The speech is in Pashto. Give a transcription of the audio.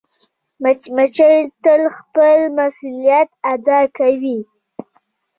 مچمچۍ تل خپل مسؤولیت ادا کوي